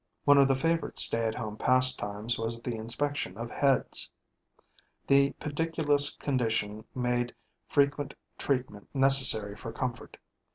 One of the favorite stay at home pastimes was the inspection of heads. The pediculous condition made frequent treatment necessary for comfort.